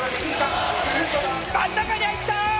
真ん中に入った！